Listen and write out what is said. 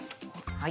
はい。